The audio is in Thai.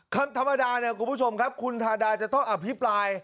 ธรรมดาเนี่ยคุณผู้ชมครับคุณทาดาจะต้องอภิปราย